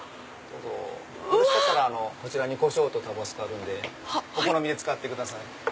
よろしかったらこちらにコショウとタバスコあるんでお好みで使ってください。